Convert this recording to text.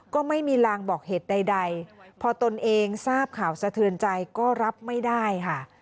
ก็ไม่มีลางบอกเหตุใดพอตนเองทราบข่าวสะเทือนใจก็รับไม่ได้ค่ะ